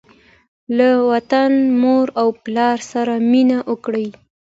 له وطن، مور او پلار سره مینه وکړئ.